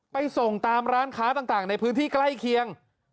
ไปส่งตามร้านค้าต่างในพื้นที่ใกล้เคียง